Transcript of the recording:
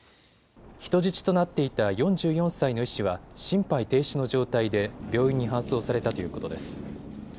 人質となっていた４４歳の医師は心肺停止の状態で病院に搬送されたということです。